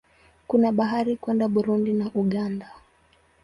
Kuna barabara kwenda Burundi na Uganda.